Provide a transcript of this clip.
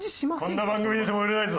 こんな番組出ても売れないぞ。